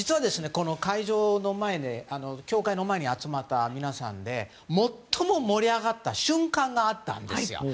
実は教会の前に集まった皆さんで最も盛り上がった瞬間があったんですよ。